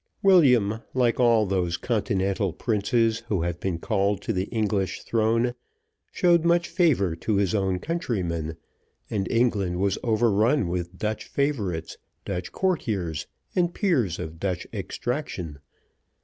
William, like all those continental princes who have been called to the English throne, showed much favour to his own countrymen, and England was overrun with Dutch favourites, Dutch courtiers, and peers of Dutch extraction.